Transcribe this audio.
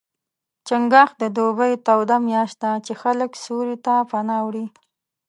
چنګاښ د دوبي توده میاشت ده، چې خلک سیوري ته پناه وړي.